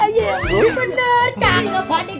iya bener tangge pak dio